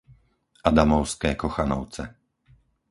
Adamovské Kochanovce